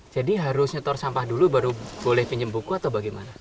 jadi harus setor sampah dulu baru boleh pinjam buku atau bagaimana